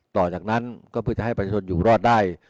ต่อจากนั้นก็เพื่อจะให้ประชาชนอยู่รอดได้